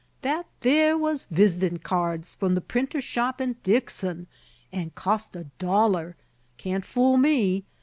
"That there was vis'tin' keerds from the printer's shop in Dixon, an' cost a dollar; can't fool me!